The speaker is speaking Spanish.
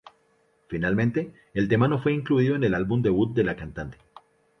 Finalmente el tema no fue incluido en el álbum debut de la cantante.